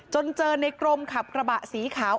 จนเจอในกรมขับกระบะสีขาว